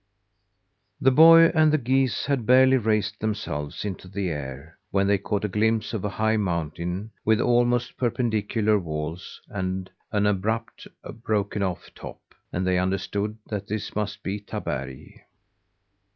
The boy and the geese had barely raised themselves into the air, when they caught a glimpse of a high mountain, with almost perpendicular walls, and an abrupt, broken off top; and they understood that this must be Taberg.